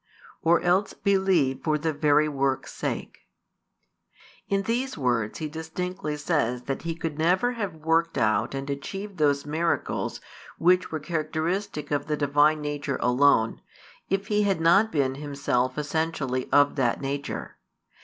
Or else believe for the very works' sake. In these words He distinctly says that He could never have worked out and achieved those miracles which were characteristic of the Divine nature alone, if He had not been Himself essentially of that nature.